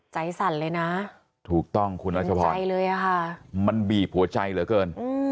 สั่นเลยนะถูกต้องคุณรัชพรมันบีบหัวใจเหลือเกิน